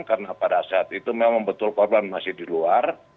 karena pada saat itu memang betul korban masih di luar